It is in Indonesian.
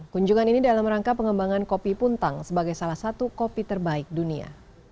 kunjungan ini dalam rangka pengembangan kopi puntang sebagai salah satu kopi terbaik dunia